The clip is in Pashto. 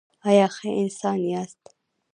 ایا ښه انسان یاست؟